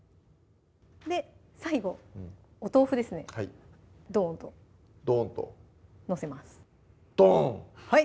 最後お豆腐ですねドンとドンと載せますドン！